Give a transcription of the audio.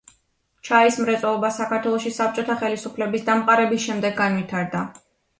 ჩაის მრეწველობა საქართველოში საბჭოთა ხელისუფლების დამყარების შემდეგ განვითარდა.